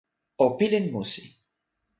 o pilin musi.